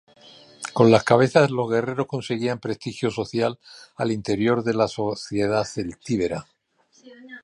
Con las cabezas los guerreros conseguían prestigio social al interior de la sociedad celtíbera.